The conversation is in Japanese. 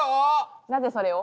なぜそれを？